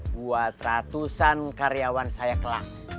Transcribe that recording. buat ratusan karyawan saya kelang